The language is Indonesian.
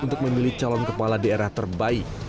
untuk memilih calon kepala daerah terbaik